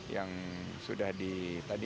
yang sudah ditandai